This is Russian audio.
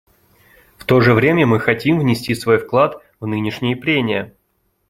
В то же время мы хотим внести свой вклад в нынешние прения.